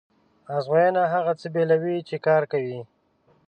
ازموینه هغه څه بېلوي چې کار کوي.